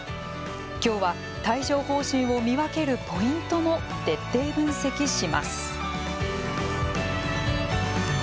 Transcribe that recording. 今日は帯状ほう疹を見分けるポイントも徹底分析します。